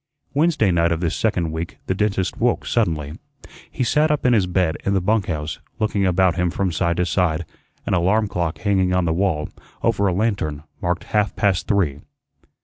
Wednesday night of this second week the dentist woke suddenly. He sat up in his bed in the bunk house, looking about him from side to side; an alarm clock hanging on the wall, over a lantern, marked half past three.